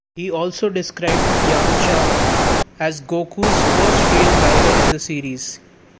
He also described Yamcha as Goku's first real rival in the series.